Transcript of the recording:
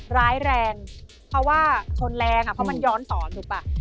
ร้ายแรงเพราะว่าชนแรงเพราะมันย้อนสอนถูกป่ะ